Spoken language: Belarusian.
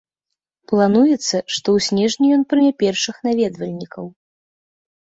Плануецца, што ў снежні ён прыме першых наведвальнікаў.